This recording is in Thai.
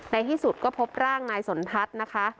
ในที่สุดก็พบร่างนายสนทัศน์นะคะ